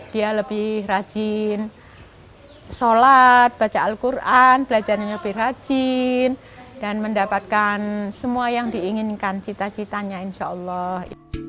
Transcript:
dia lebih rajin sholat baca al quran belajarnya lebih rajin dan mendapatkan semua yang diinginkan cita citanya insya allah